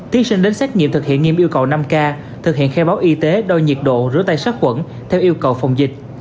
thí sinh đến xét nghiệm thực hiện nghiêm yêu cầu năm k thực hiện khai báo y tế đo nhiệt độ rửa tay sát khuẩn theo yêu cầu phòng dịch